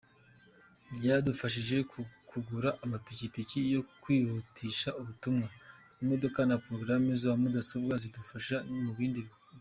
Byadufashije kugura amapikipiki yo kwihutisha ubutumwa, imodoka na porogaramu za mudasobwa zidufasha mubindi dukora.